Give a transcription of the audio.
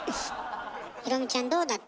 裕美ちゃんどうだった？